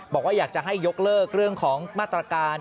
บอกว่าอยากจะให้ยกเลิกเรื่องของมาตรการ